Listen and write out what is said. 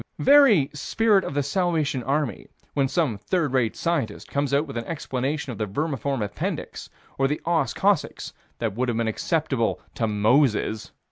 Very spirit of the Salvation Army, when some third rate scientist comes out with an explanation of the vermiform appendix or the os coccygis that would have been acceptable to Moses.